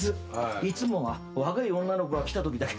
いつもは若い女の子が来たときだけ。